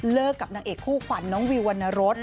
เลิกกับนังเอกคู่ขวัญน้องวิววรรณะฤษ